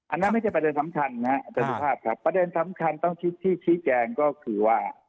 อันนั้นไม่ใช่ประเด็นสำคัญนะประเด็นสำคัญต้องที่ชี้แจงก็คือว่า